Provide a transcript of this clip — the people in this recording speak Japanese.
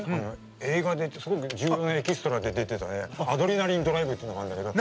映画で自分がエキストラで出てたね「アドレナリンドライブ」っていうのがあるんだけど。